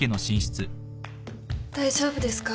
大丈夫ですか？